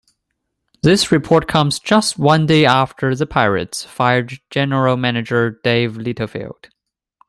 This report comes just one day after the Pirates fired General Manager Dave Littlefield.